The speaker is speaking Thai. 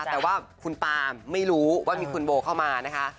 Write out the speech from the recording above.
แต่ว่าคุณปาไม่รู้ว่ามีคุณโบเข้ามานะคะ